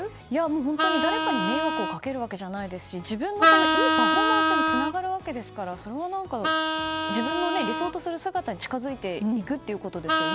本当に誰かに迷惑をかけるわけじゃないですし自分のいいパフォーマンスにつながるわけですからそれは自分の理想とする姿に近づいていくってことですよね。